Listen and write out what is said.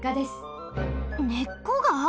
ねっこが？